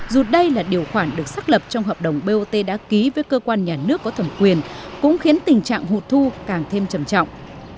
dù đây là điều khoản được xác lập trong hợp đồng bot đã ký với cơ quan nhà nước có thẩm quyền cũng khiến tình trạng hụt thu càng thêm trầm trọng